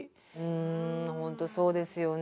本当そうですよね。